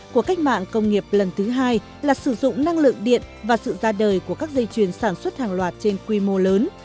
cuộc cách mạng công nghiệp lần thứ hai là sử dụng năng lượng điện và sự ra đời của các dây chuyền sản xuất hàng loạt trên quy mô lớn